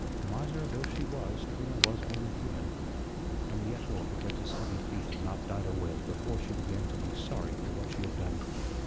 Miser though she was, Trina was only human, and the echo of the dentist's heavy feet had not died away before she began to be sorry for what she had done.